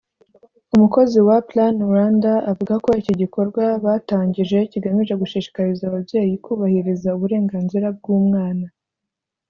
umukozi wa Plan-Rwanda avuga ko iki gikorwa batangije kigamije gushishikariza ababyeyi kubahiriza uburenganzira bw’umwana